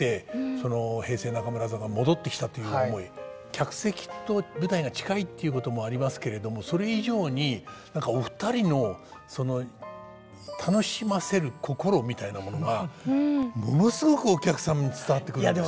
客席と舞台が近いっていうこともありますけれどもそれ以上に何かお二人のその楽しませる心みたいなものがものすごくお客さんに伝わってくるっていう。